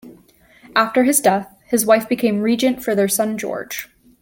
After his death, his wife became regent for their son George.